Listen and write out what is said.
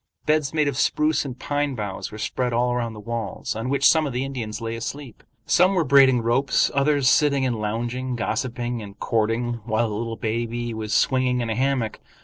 Beds made of spruce and pine boughs were spread all around the walls, on which some of the Indians lay asleep; some were braiding ropes, others sitting and lounging, gossiping and courting, while a little baby was swinging in a hammock.